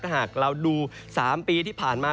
หากเราดู๓ปีที่ผ่านมา